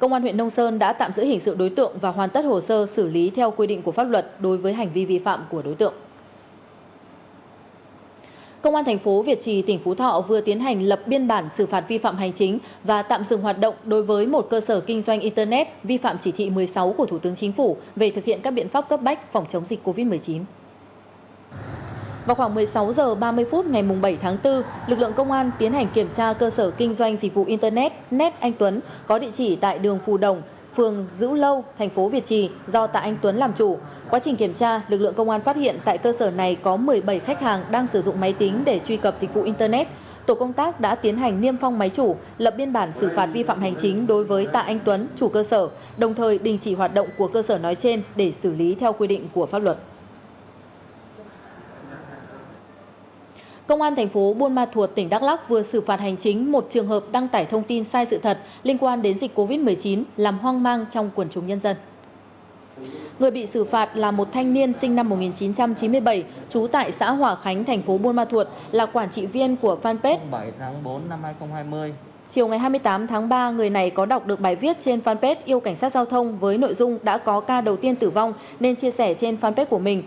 chiều ngày hai mươi tám tháng ba người này có đọc được bài viết trên fanpet yêu cảnh sát giao thông với nội dung đã có ca đầu tiên tử vong nên chia sẻ trên fanpet của mình